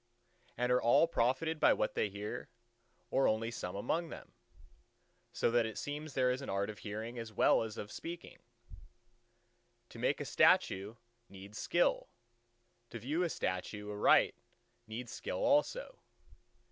"And are all profited by what they hear, or only some among them? So that it seems there is an art of hearing as well as of speaking. ... To make a statue needs skill: to view a statue aright needs skill also."